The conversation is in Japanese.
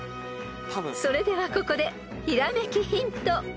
［それではここでひらめきヒント］